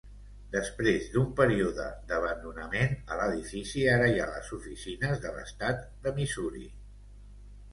Després d'un període d'abandonament, a l'edifici ara hi ha les oficines de l'estat de Missouri.